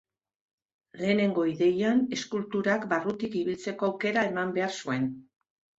Lehenengo ideian eskulturak barrutik ibiltzeko aukera eman behar zuen.